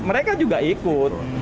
mereka juga ikut